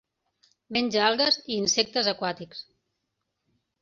Menja algues i insectes aquàtics.